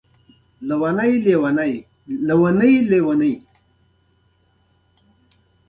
پښتو باید د نړیوالو معیارونو سره سم ثبت شي.